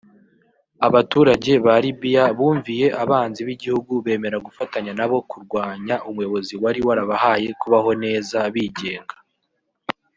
Abaturage ba Libiya bumviye abanzi b’igihugu bemera gufatanya nabo kurwanya umuyobozi wari warabahaye kubaho neza bigenga